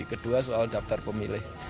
kedua soal daftar pemilih